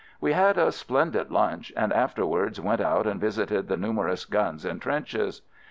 We had a splendid lunch, and afterwards went out and visited the numerous guns and trenches.